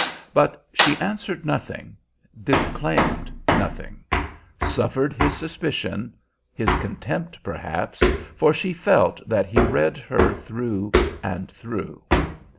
But she answered nothing, disclaimed nothing; suffered his suspicion, his contempt, perhaps, for she felt that he read her through and through.